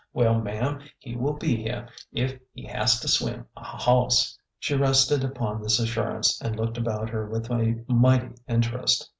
" Well, ma'am, he will be here if he has to swim a hawss." She rested upon this assurance and looked about her with a mighty interest.